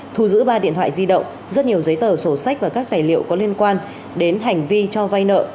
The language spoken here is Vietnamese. thu giữ ba điện thoại di động rất nhiều giấy tờ sổ sách và các tài liệu có liên quan đến hành vi cho vay nợ